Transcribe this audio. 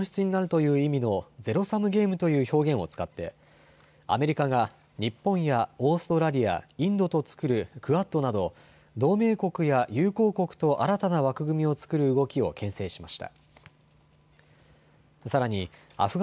このように述べ一方の利益が他方の損失になるという意味のゼロサムゲームという表現を使ってアメリカが日本やオーストラリア、インドと作るクアッドなど同盟国や友好国と新たな枠組みを作る動きをけん制しました。